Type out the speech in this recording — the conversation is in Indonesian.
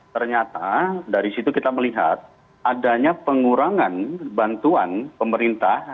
ternyata dari situ kita melihat adanya pengurangan bantuan pemerintah